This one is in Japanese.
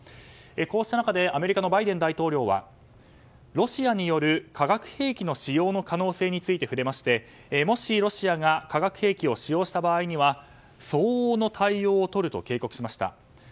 こうした中、アメリカのバイデン大統領はロシアによる化学兵器の使用の可能性について触れましてもし、ロシアが化学兵器を使用した場合には相応の対応をとると警告しました。